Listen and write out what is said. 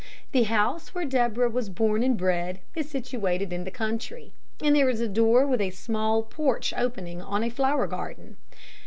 The house where Deborah was born and bred is situated in the country, and there is a door with a small porch opening on a flower garden.